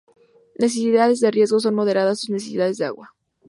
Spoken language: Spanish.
Necesidades de riego: son moderadas sus necesidades de agua.